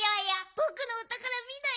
ぼくのおたからみない？